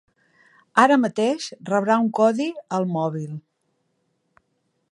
Ara mateix rebrà un codi al mòbil.